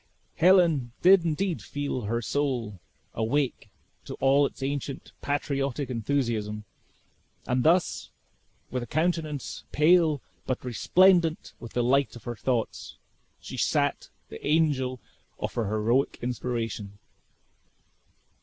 Helen did indeed feel her soul awake to all its ancient patriotic enthusiasm; and thus, with a countenance pale, but resplendent with the light of her thoughts, she sat the angel of her heroic inspiration.